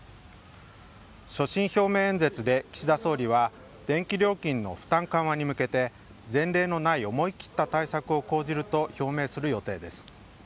所信表明演説で、岸田総理は、電気料金の負担緩和に向けて、前例のない思い切った対策を講じると表明する予定です。